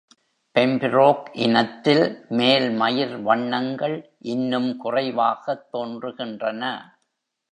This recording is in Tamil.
பெம்பிரோக் இனத்தில் மேல்மயிர் வண்ணங்கள் இன்னும் குறைவாகத் தோன்றுகின்றன.